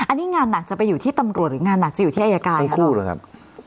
อันนี้งานหนักจะไปอยู่ที่ตำรวจหรืองานหนักจะอยู่ที่อายการทั้งคู่เลยครับ